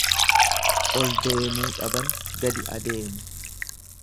Oldeemuu dhaban gadi adeemu.